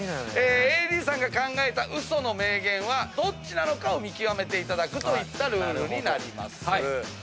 ＡＤさんが考えた嘘の名言はどっちなのかを見極めていただくといったルールになります。